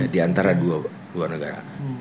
di antara dua negara